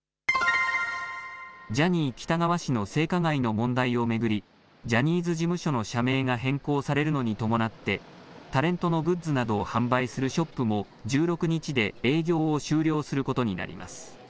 ジャニー喜多川氏の性加害の問題を巡り、ジャニーズ事務所の社名が変更されるのに伴ってタレントのグッズなどを販売するショップも１６日で営業を終了することになります。